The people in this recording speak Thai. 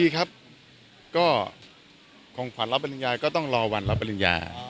ของขวัญรับปริญญาต้องรอวันรับปริญญา